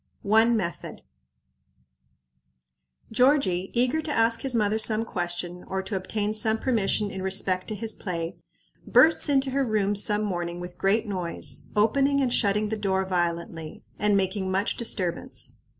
One Method. Georgie, eager to ask his mother some question, or to obtain some permission in respect to his play, bursts into her room some morning with great noise, opening and shutting the door violently, and making much disturbance.